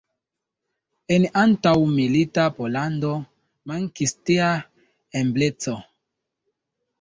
En antaŭmilita Pollando mankis tia ebleco.